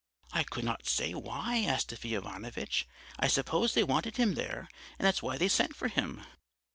"'I could not say why, Astafy Ivanovitch. I suppose they wanted him there, and that's why they sent for him.'